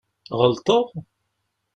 Ɣelṭeɣ?